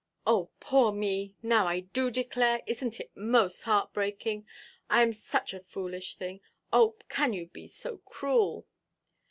"Oh, poor me! Now, I do declare—Isnʼt it most heartbreaking? I am such a foolish thing. Oh, can you be so cruel?"